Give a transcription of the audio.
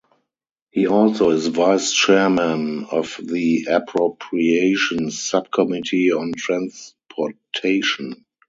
He also is vice-chairman of the Appropriations Subcommittee on Transportation.